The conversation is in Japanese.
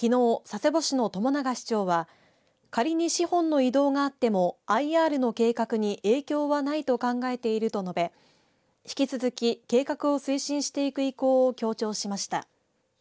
佐世保市の朝長市長は仮に資本の移動があってもＩＲの計画に影響はないと考えていると述べ引き続き計画を推進していく意向を強調しました。